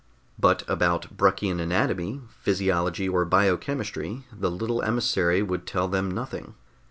But about Bruckian anatomy, physiology or biochemistry, the little emissary would tell them nothing.